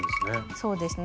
そうですね。